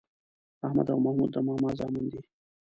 احمد او محمود د ماما زامن دي